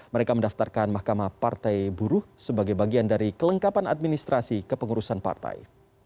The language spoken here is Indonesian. mereka mendaftarkan mahkamah partai buruh sebagai bagian dari kelengkapan administrasi kepengurusan partai